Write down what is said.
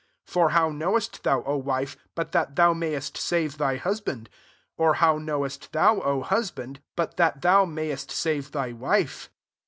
16 For how knowest thou, O wife, but that thou mayest save t,hy husband? or how knowest thou, Q hu^MiDd, but that thou m^^yest save t&y wife ?